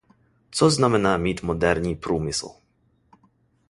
Co znamená mít moderní průmysl?